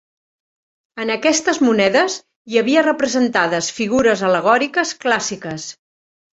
En aquestes monedes hi havia representades figures al·legòriques clàssiques.